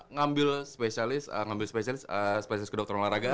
ngambil spesialis ngambil spesialis spesialis kedokteran olahraga